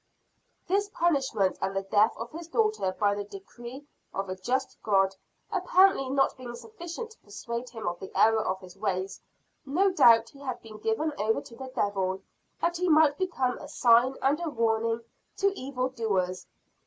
This punishment, and the death of his daughter by the decree of a just God, apparently not being sufficient to persuade him of the error of his ways, no doubt he had been given over to the devil, that he might become a sign and a warning to evil doers.